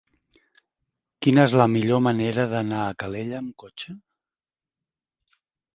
Quina és la millor manera d'anar a Calella amb cotxe?